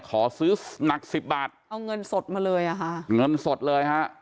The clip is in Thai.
ขอซื้อหนักสิบบาทเอาเงินสดมาเลยอ่ะค่ะเงินสดเลยฮะ